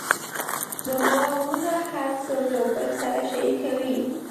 زما وروڼه هر څه یو بل سره شریکوي